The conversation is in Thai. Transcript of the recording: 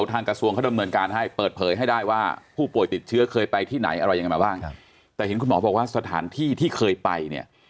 แต่เห็นคุณหมอบอกว่าสถานที่ที่เคยไป